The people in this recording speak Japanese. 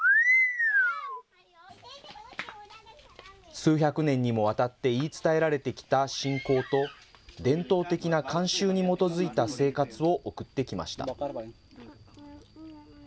数百年にもわたって言い伝えられてきた信仰と伝統的な慣習に基づいた生活を送ってきました。